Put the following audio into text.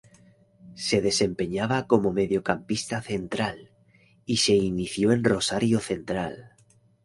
Se desempeñaba como mediocampista central, y se inició en Rosario Central.